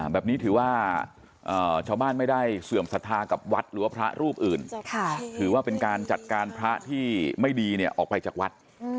แบบนี้ถือว่าชาวบ้านไม่ได้เสื่อมศรัทธากับวัดหรือว่าพระรูปอื่นถือว่าเป็นการจัดการพระที่ไม่ดีออกไปจากวัด